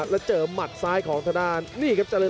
แล้วเจอหมัดซ้ายของทะด้าน